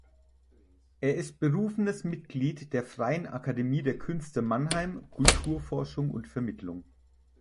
Er ist berufenes Mitglied der Freien Akademie der Künste Mannheim, Kulturforschung und -vermittlung.